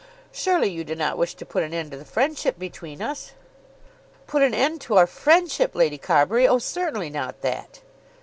Surely you do not wish to put an end to the friendship between us!" "Put an end to our friendship, Lady Carbury! Oh, certainly not that."